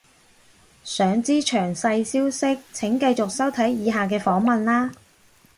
想知詳細消息請繼續收睇以下嘅訪問喇